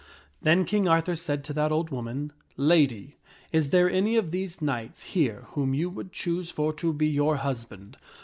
Then King Arthur said to that old woman, " Lady, is there any of these knights here whom you would choose for to be your husband